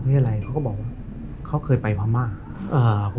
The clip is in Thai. พรรษาอะไรเขาก็บอกว่าเขาเคยไปว่าม่าอ่า